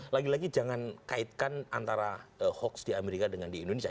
lagi lagi jangan kaitkan antara hoax di amerika dengan di indonesia